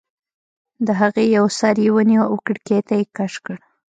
د هغې یو سر یې ونیو او کړکۍ ته یې کش کړ